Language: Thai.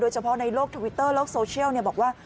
เฉพาะในโลกทวิตเตอร์โลกโซเชียลบอกว่า